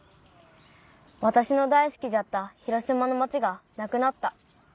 私の大好きじゃった広島の町がなくなった。